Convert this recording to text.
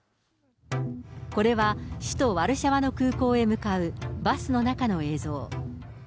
これは、首都ワルシャワの空港へ向かうバスの中の映像。